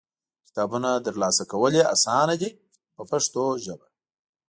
کتابونه ترلاسه کول یې اسانه دي په پښتو ژبه.